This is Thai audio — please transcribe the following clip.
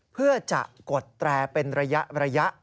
เพื่อจะกดแตรเป็นระยะ